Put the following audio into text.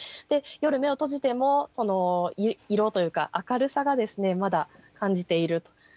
で夜目を閉じても色というか明るさがまだ感じていると。